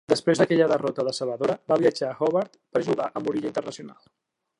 Després d'aquella derrota decebedora, va viatjar a Hobart per jugar al Moorilla International.